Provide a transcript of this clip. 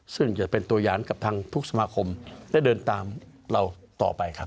ซึ่งจะเป็นตัวอย่างกับทางทุกสมาคมได้เดินตามเราต่อไปครับ